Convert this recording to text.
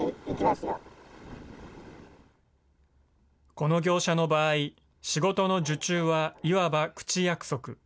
この業者の場合、仕事の受注はいわば口約束。